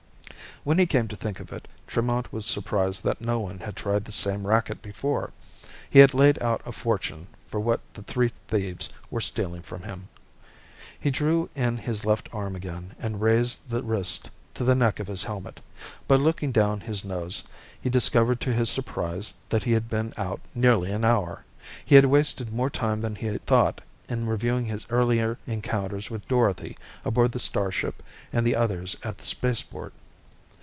_ When he came to think of it, Tremont was surprised that no one had tried the same racket before. He had laid out a fortune for what the three thieves were stealing from him. He drew in his left arm again and raised the wrist to the neck of his helmet. By looking down his nose, he discovered to his surprise that he had been out nearly an hour. He had wasted more time than he thought in reviewing his earlier encounters with Dorothy aboard the starship and the others at the spaceport.